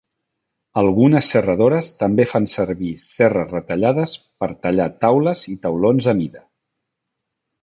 Algunes serradores també fan servir serres retallades per tallar taules i taulons a mida.